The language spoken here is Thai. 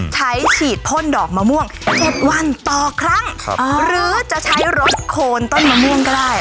ฉีดพ่นดอกมะม่วง๗วันต่อครั้งหรือจะใช้รสโคนต้นมะม่วงก็ได้